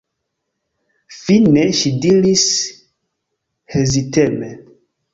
Fine ŝi diris heziteme: